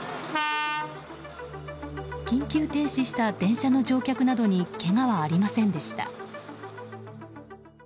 緊急停止した電車の乗客などにけがはありませんでした。